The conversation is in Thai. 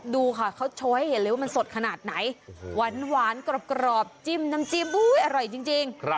ดูค่ะเขาโชว์ให้เห็นเลยว่ามันสดขนาดไหนหวานกรอบจิ้มน้ำจิ้มอร่อยจริง